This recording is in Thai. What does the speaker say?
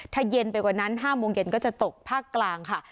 ถ้าเย็นไปกว่านั้น๕โมงเย็นก็จะตกภาคกลางค่ะ